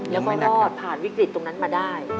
แล้วก็รอดผ่านวิกฤตตรงนั้นมาได้